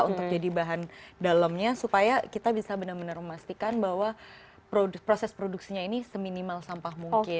kita juga sudah menelan ke dalamnya supaya kita bisa benar benar memastikan bahwa proses produksinya ini seminimal sampah mungkin